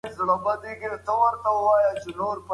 که پښتو ژبه وي، نو زموږ په هویت کې قوت به وي.